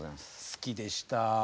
好きでした。